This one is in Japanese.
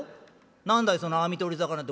「何だいその網取り魚って」。